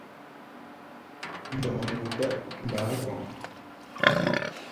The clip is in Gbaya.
Dɔmɔ mgbutá ndaá kɔ̧.